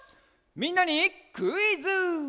みんなにクイズ！